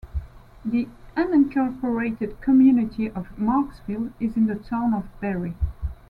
The unincorporated community of Marxville is in the Town of Berry.